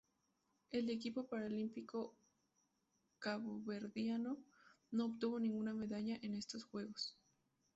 El equipo paralímpico caboverdiano no obtuvo ninguna medalla en estos Juegos.